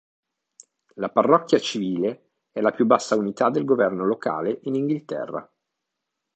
La parrocchia civile è la più bassa unità del governo locale in Inghilterra.